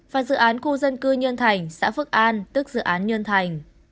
và dự án khu dân cư nhân thành xã phước an tức dự án nhân thành